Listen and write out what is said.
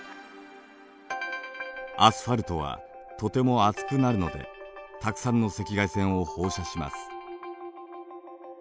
アスファルトはとても熱くなるのでたくさんの赤外線を放射します。